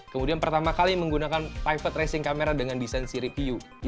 kemudian pertama kali menggunakan private tracing camera dengan desain siri pu